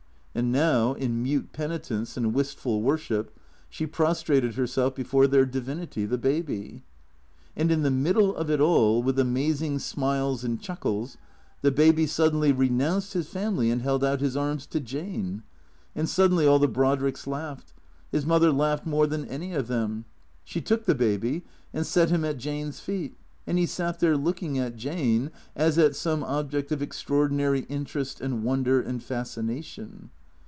And now, in mute penitence and wistful worship, she pros trated herself before their divinity, the Baby. And in the middle of it all, with amazing smiles and chuckles, the Baby suddenly renounced his family and held out his arms to Jane. And suddenly all the Brodricks laughed. His mother laughed more than any of them. She took the Baby, and set him at Jane's feet ; and he sat there, looking at Jane, as at some object of extraordinary interest and wonder and fascination.